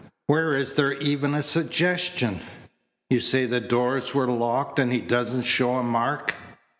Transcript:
Where is there even a suggestion? You say the doors were locked and he doesn't show a mark."